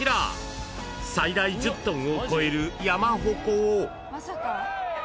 ［最大１０ｔを超える山鉾を］